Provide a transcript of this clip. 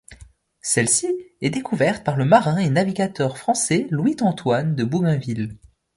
Celle-ci est découverte par le marin et navigateur français Louis Antoine de Bougainville.